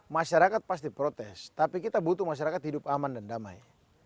masyarakat pasti protes tapi kita butuh masyarakat hidup aman dan damai